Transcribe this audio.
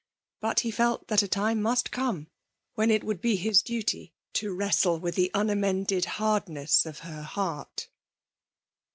But he felt that a time must come when it would be his duty to wrestle with the unamended hardness of her heart.